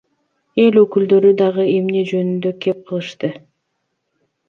Эл өкүлдөрү дагы эмне жөнүндө кеп кылышты?